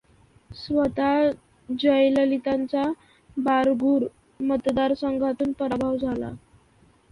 स्वतः जयललितांचा बारगूर मतदारसंघातून पराभव झाला.